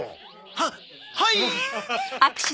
はっはい！